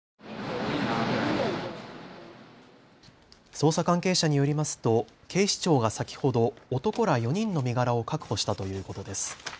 捜査関係者によりますと警視庁が先ほど男ら４人の身柄を確保したということです。